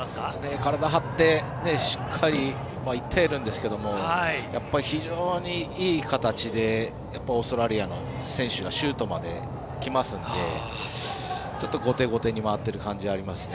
体、張ってしっかりいっているんですがやっぱ、非常にいい形でオーストラリアの選手のシュートまできますので後手後手に回っている感じがしますね。